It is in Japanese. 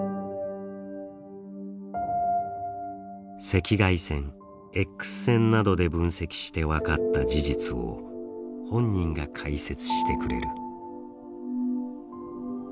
赤外線、Ｘ線などで分析して分かった事実を本人が解説してくれる。